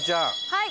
はい。